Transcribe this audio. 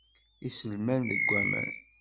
Iselman deg waman.